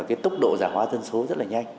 cái tốc độ giả hóa dân số rất là nhanh